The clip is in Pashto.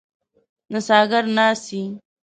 نڅاګر ناڅي.